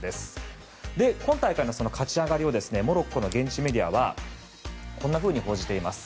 今大会の勝ち上がりをモロッコの現地メディアはこんな風に報じています。